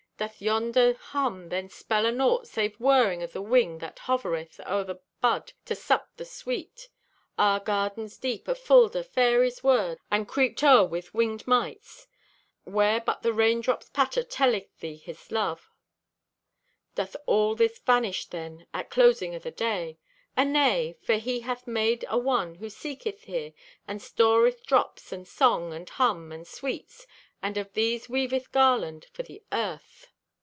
Doth yonder hum then spell anaught, Save whirring o' the wing that hovereth O'er thy bud to sup the sweet? Ah, garden's deep, afulled o' fairies' word, And creeped o'er with winged mites, Where but the raindrops' patter telleth thee His love— Doth all this vanish then, at closing o' the day? Anay. For He hath made a one who seeketh here, And storeth drops, and song, and hum, and sweets, And of these weaveth garland for the earth.